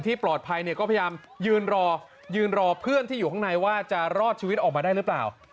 ปลอดภัยเนี่ยก็พยายามยืนรอยืนรอเพื่อนที่อยู่ข้างในว่าจะรอดชีวิตออกมาได้หรือเปล่า